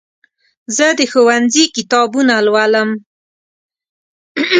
زه د ښوونځي کتابونه لولم.